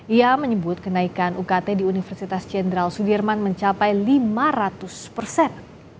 ia menyebut kenaikan ukt di universitas jenderal sudirman mencapai lima ratus persen